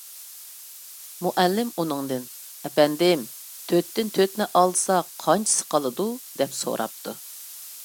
مۇئەللىم ئۇنىڭدىن: _ ئەپەندىم، تۆتتىن تۆتنى ئالسا قانچىسى قالىدۇ؟ _ دەپ سوراپتۇ.